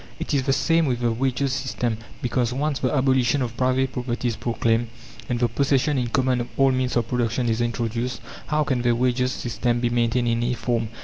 It is the same with the Wages' system; because, once the abolition of private property is proclaimed, and the possession in common of all means of production is introduced, how can the wages' system be maintained in any form?